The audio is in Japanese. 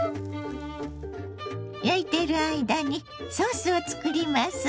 焼いている間にソースを作ります。